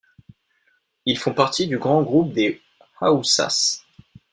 Ils font partie du grand groupe des Haoussas.